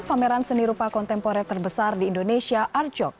pameran seni rupa kontemporer terbesar di indonesia arjok